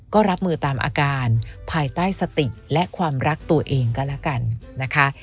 ก็รับมือตามอาการภายใต้สติและความรักตัวเองก็แล้วกันนะคะ